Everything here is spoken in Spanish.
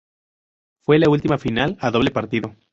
Fue la última final a doble partido.